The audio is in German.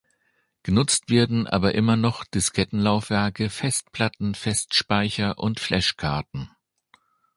Genutzt werden aber immer noch Diskettenlaufwerke, Festplatten, Festspeicher und Flash-Karten.